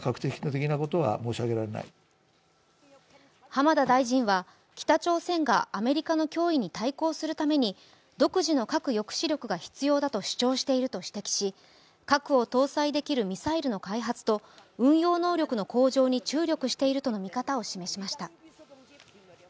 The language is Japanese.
浜田大臣は北朝鮮がアメリカの脅威に対抗するために独自の核抑止力が必要だと主張していると指摘し核を搭載できるミサイルの開発と運用能力の向上に注力しているとの見方を示しました。